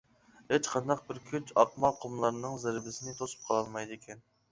ھېچقانداق بىر كۈچ ئاقما قۇملارنىڭ زەربىسىنى توسۇپ قالالمايدىكەن.